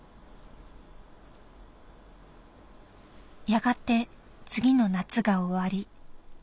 「やがて次の夏が終わり秋。